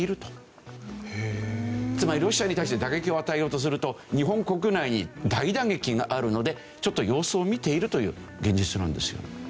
つまりロシアに対して打撃を与えようとすると日本国内に大打撃があるのでちょっと様子を見ているという現実なんですよ。